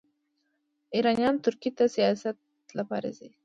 ایرانیان ترکیې ته د سیاحت لپاره ځي.